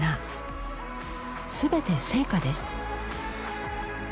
全て生花です。